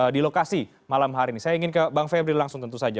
di lokasi malam hari ini saya ingin ke bang febri langsung tentu saja